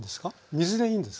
水でいいんですか？